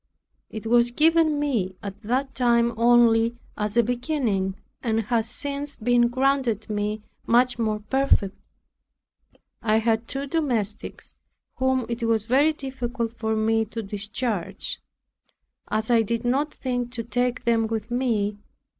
It was given me at that time only as a beginning, and has since been granted me much more perfectly. I had two domestics, whom it was very difficult for me to discharge, as I did not think to take them with me.